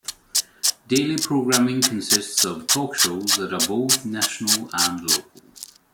Daily programming consists of talk shows that are both national and local.